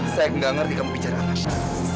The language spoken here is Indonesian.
saya tidak mengerti kamu bicara apa